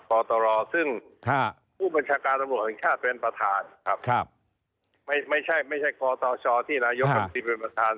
กตรซึ่งผู้บัญชาการสำรวจเป็นชาติเป็นประธานไม่ใช่กตชที่นายกฤษฎีเป็นประธาน